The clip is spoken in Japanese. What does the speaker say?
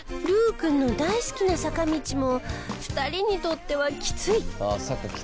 ルーくんの大好きな坂道も２人にとってはきつい！